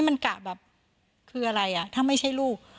มันกะแบบคืออะไรอ่ะถ้าไม่ใช่ลูก